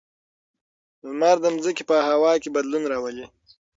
لمر د ځمکې په هوا کې بدلون راولي.